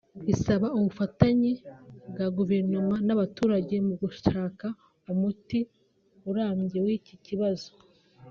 bisaba ubufatanye bwa Guverinoma n’abaturage mu gushaka umuti urambye w’iki kibazo